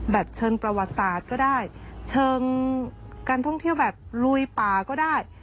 เชิงประวัติศาสตร์ก็ได้เชิงการท่องเที่ยวแบบลุยป่าก็ได้